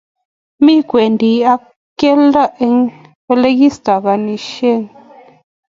Mi kowendi ako keldo eng olekistaganishen